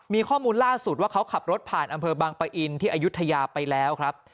มีข้อมูลล่าสุดว่าเขาขับรถผ่านอำเภอบางปะอินที่อายุทยาไปแล้วครับ